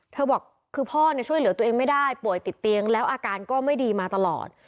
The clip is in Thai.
บอกคือพ่อช่วยเหลือตัวเองไม่ได้ป่วยติดเตียงแล้วอาการก็ไม่ดีมาตลอด